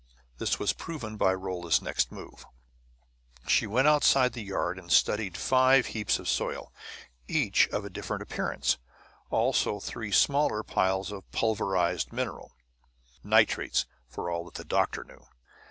This was proven by Rolla's next move. She went outside the yard and studied five heaps of soil, each of a different appearance, also three smaller piles of pulverized mineral nitrates, for all that the doctor knew.